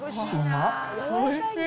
おいしい。